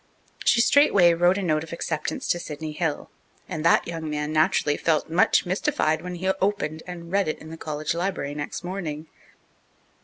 She straightway wrote a note of acceptance to Sidney Hill, and that young man naturally felt much mystified when he opened and read it in the college library next morning.